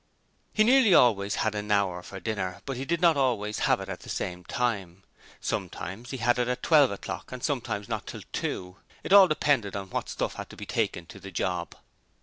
He nearly always had an hour for dinner, but he did not always have it at the same time: sometimes he had it at twelve o'clock and sometimes not till two. It all depended upon what stuff had to be taken to the job.